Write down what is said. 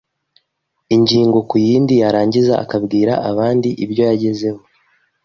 ingingo ku yindi yarangiza akazabwira abandi ibyo yagezeho